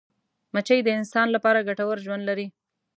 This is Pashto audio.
مچمچۍ د انسان لپاره ګټور ژوند لري